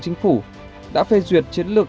chính phủ đã phê duyệt chiến lược